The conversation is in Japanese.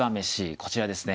こちらですね。